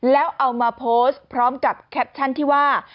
แล้วเอามาโพสต์พร้อมกับแคปชั่นที่ว่า